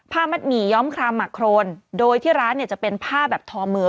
มัดหมี่ย้อมครามหมักโครนโดยที่ร้านเนี่ยจะเป็นผ้าแบบทอมือ